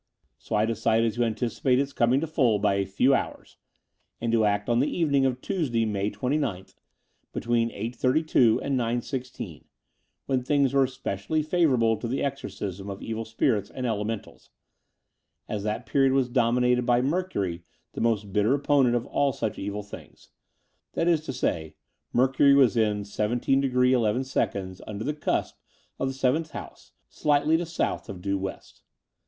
So I decided to anticipate its coming to full by a few hours, and to act on the evening of Tuesday, May 29th, between 8.32 and 9.16, when things were specially favour able to the exorcism of evil spirits and elementals, as that period was dominated by Mercury the most bitter opponent of all such evil things — that is to say. Mercury was in 17*^11 tmder the cusp of Seventh House, slightly to south of due west.